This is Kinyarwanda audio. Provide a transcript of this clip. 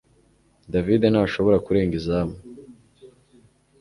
David ntashobora kurenga izamu